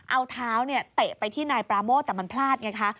เอาเท้าเนี่ยเตะไปที่นายปราโมทแต่มันพลาดไงคะ